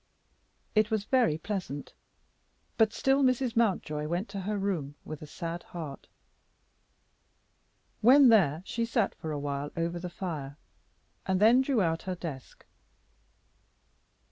It was very pleasant, but still Mrs. Mountjoy went to her room with a sad heart. When there she sat for a while over the fire, and then drew out her desk.